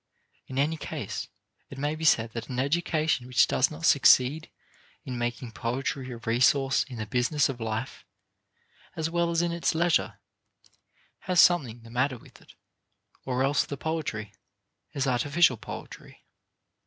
In any case, it may be said that an education which does not succeed in making poetry a resource in the business of life as well as in its leisure, has something the matter with it or else the poetry is artificial poetry.